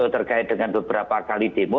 terkait dengan beberapa kali demo